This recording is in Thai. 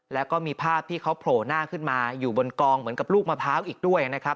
แล้วก็มีภาพที่เขาโผล่หน้าขึ้นมาอยู่บนกองเหมือนกับลูกมะพร้าวอีกด้วยนะครับ